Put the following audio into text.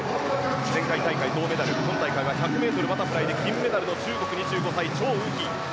前回大会銅メダル今大会は１００ｍバタフライで金メダルの中国、２５歳チョウ・ウヒ。